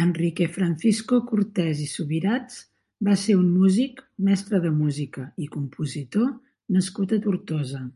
Enrique Francisco Cortés i Subirats va ser un músic, mestre de música i compositor nascut a Tortosa.